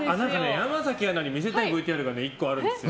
山崎アナに見せたいＶＴＲが１個あるんです。